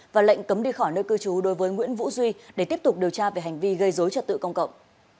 và lệnh cấm đi khỏi nơi cư trú đối với nguyễn vũ duy để tiếp tục điều tra về hành vi gây dối trật tự công cộng